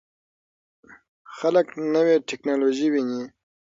خلک نوې ټکنالوژي ویني.